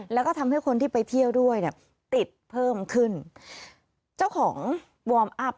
แล้วก็ทำให้คนที่ไปเที่ยวด้วยเนี่ยติดเพิ่มขึ้นเจ้าของวอร์มอัพ